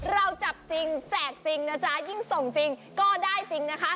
เราจับจริงแจกจริงนะจ๊ะยิ่งส่งจริงก็ได้จริงนะคะ